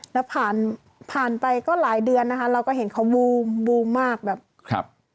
แล้วผ่านไปก็หลายเดือนนะคะเราก็เห็นเขาวูมมากแบบ